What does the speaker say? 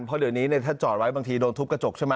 เพราะเดี๋ยวนี้ถ้าจอดไว้บางทีโดนทุบกระจกใช่ไหม